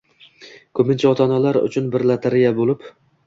ko‘pincha ota-onalar uchun bir lotereya bo‘lib